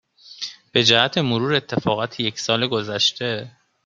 به جهت مرور اتفاقات یک سال گذشته